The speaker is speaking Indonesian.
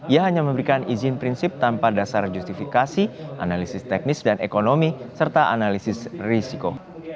ia hanya memberikan izin prinsip tanpa dasar justifikasi analisis teknis dan ekonomi serta analisis risiko